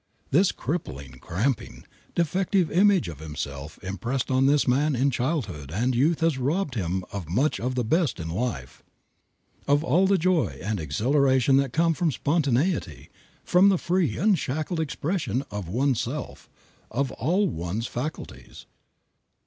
This crippling, cramping defective image of himself impressed on this man in childhood and youth has robbed him of much of the best of life, of all the joy and exhilaration that come from spontaneity, from the free, unshackled expression of oneself, of all one's faculties.